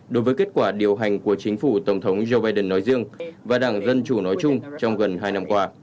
đối với kết quả điều hành của chính phủ tổng thống joe biden nói riêng và đảng dân chủ nói chung trong gần hai năm qua